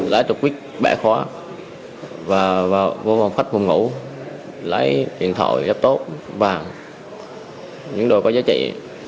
lấy tục quýt bẻ khóa và vô vòng khách vùng ngủ lấy điện thoại giáp tốt và những đồ có giá trị